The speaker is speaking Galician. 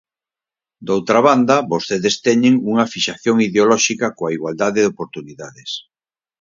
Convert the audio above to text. Doutra banda, vostedes teñen unha fixación ideolóxica coa igualdade de oportunidades.